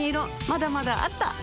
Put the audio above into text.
まだまだあった！